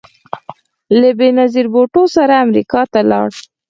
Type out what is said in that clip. له بېنظیر بوټو سره امریکا ته ولاړ